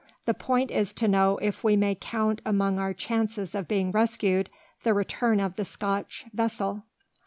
The point is to know if we may count among our chances of being rescued, the return of the Scotch vessel.